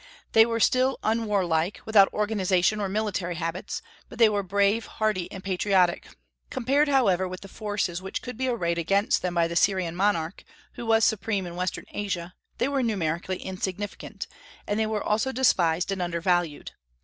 They were still unwarlike, without organization or military habits; but they were brave, hardy, and patriotic. Compared, however, with the forces which could be arrayed against them by the Syrian monarch, who was supreme in western Asia, they were numerically insignificant; and they were also despised and undervalued.